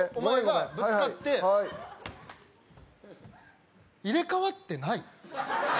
俺とぶつかって、入れ替わってない？